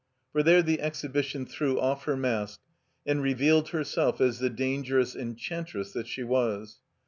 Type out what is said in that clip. For there the Exhibition threw off her mask and revealed herself as the dangerous Enchantress that she was.